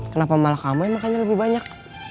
kenapa malah kamu yang makannya lebih banyak